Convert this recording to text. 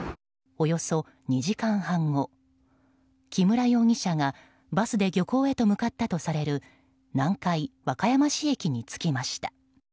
およそ２時間半後木村容疑者がバスで漁港へと向かったとされる南海和歌山市駅に着きました。